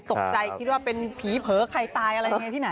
ตกใจคิดว่าเป็นผีเผลอใครตายอะไรยังไงที่ไหน